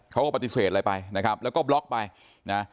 เขาก็ปฏิเสธอะไรไปนะครับแล้วก็บล็อกไปนะ